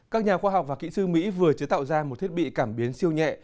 các nhà khoa học và kỹ sư mỹ vừa chế tạo ra một thiết bị cảm biến siêu nhẹ